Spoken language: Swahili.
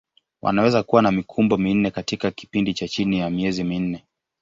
Wanaweza kuwa na mikumbo minne katika kipindi cha chini ya miezi minne.